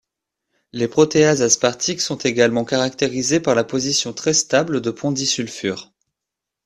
Les protéases aspartiques sont également caractérisées par la position très stable de ponts disulfure.